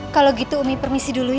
kalau gitu umi permisi dulu